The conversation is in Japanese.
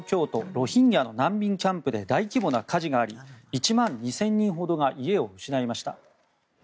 ロヒンギャの難民キャンプで大規模な火事があり１万２０００人ほどが家を失いました。